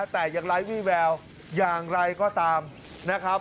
แต่ยังไร้วี่แววอย่างไรก็ตามนะครับ